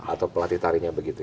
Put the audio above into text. atau pelatih tarinya begitu